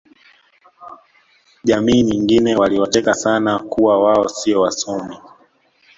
jamii nyingine waliwacheka sana kuwa wao sio wasomi